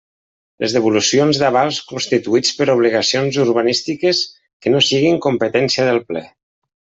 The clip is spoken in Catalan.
Les devolucions d'avals constituïts per obligacions urbanístiques que no siguin competència del Ple.